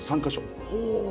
ほう。